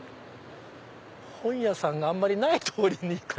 本屋さんがあんまりない通りに。